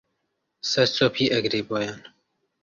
سەرچۆپی ئەگرێ بۆیان